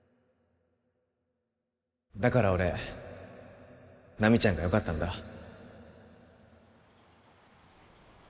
だから俺奈未ちゃんがよかったんだ